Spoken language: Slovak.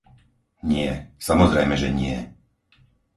Nie, samozrejme, že nie.